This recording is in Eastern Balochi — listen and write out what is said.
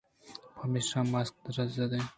پمیشا ماسکّ ژَندیں